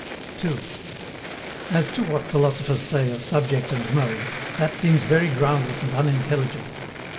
(2) As to what philosophers say of subject and mode, that seems very groundless and unintelligible.